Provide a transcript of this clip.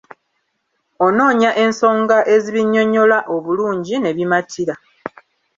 Onoonya ensonga ezibinnyonnyola obulungi ne bimatira.